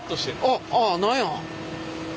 ああああ何や？